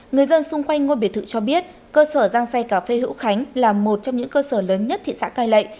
người dân xung quanh ngôi biệt thự cho biết cơ sở răng xay cà phê hữu khánh là một trong những cơ sở lớn nhất thị xã cây lệ